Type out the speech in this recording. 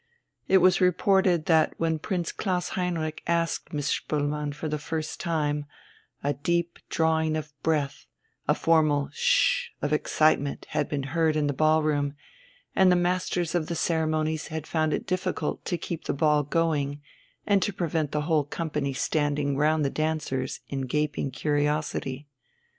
It was reported that when Prince Klaus Heinrich asked Miss Spoelmann for the first time, a deep drawing of breath, a formal "Sh" of excitement had been heard in the ballroom, and the Masters of the Ceremonies had found it difficult to keep the ball going and to prevent the whole company standing round the dancers in gaping curiosity.